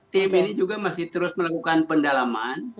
tim ini juga masih terus melakukan pendalaman